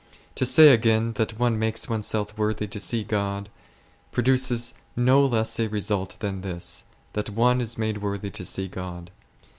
To say, again, that one makes oneself worthy to see God, produces no less a result than this ; that one is made worthy to see God.